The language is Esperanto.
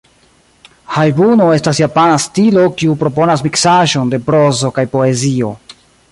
Hajbuno estas japana stilo kiu proponas miksaĵon de prozo kaj poezio.